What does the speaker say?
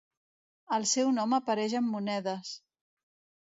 El seu nom apareix en monedes.